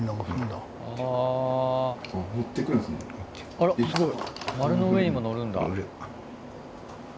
あらすごい丸の上にも乗るんだ。